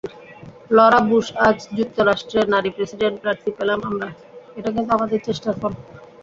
Laura বুশআজ যুক্তরাষ্ট্রে নারী প্রেসিডেন্ট প্রার্থী পেলাম আমরা, এটা কিন্তু আমাদের চেষ্টার ফল।